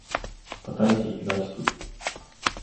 堺市東区